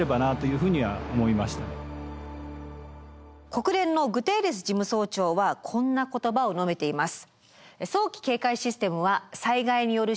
国連のグテーレス事務総長はこんな言葉を述べています。